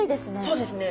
そうですね。